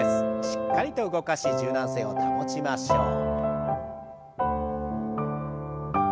しっかりと動かし柔軟性を保ちましょう。